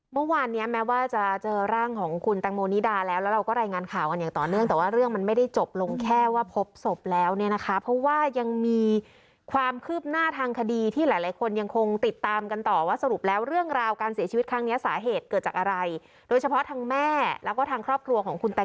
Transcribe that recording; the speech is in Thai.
เมื่อวานเนี้ยแม้ว่าจะเจอร่างของคุณแตงโมนิดาแล้วแล้วเราก็รายงานข่าวกันอย่างต่อเนื่องแต่ว่าเรื่องมันไม่ได้จบลงแค่ว่าพบศพแล้วเนี่ยนะคะเพราะว่ายังมีความคืบหน้าทางคดีที่หลายหลายคนยังคงติดตามกันต่อว่าสรุปแล้วเรื่องราวการเสียชีวิตครั้งนี้สาเหตุเกิดจากอะไรโดยเฉพาะทางแม่แล้วก็ทางครอบครัวของคุณตั